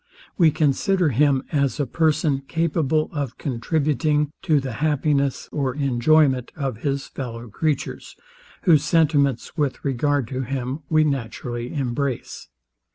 We consider him as a person capable of contributing to the happiness or enjoyment of his fellow creatures, whose sentiments, with regard to him, we naturally embrace.